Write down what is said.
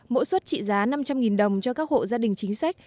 mỗi suất trị giá năm trăm linh đồng cho các hộ gia đình chính sách